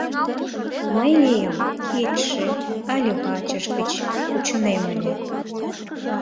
Мый Леом кидше але вачыж гыч кучынем ыле.